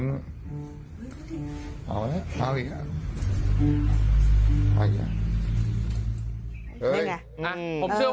เอาเนี่ย